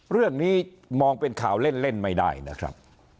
เรื่องนี้มองเป็นข่าวเล่นไม่ได้นะครับ